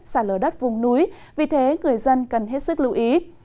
xả lở đất vùng núi vì thế người dân cần hết sức lưu ý